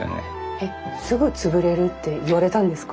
えっ「すぐ潰れる」って言われたんですか？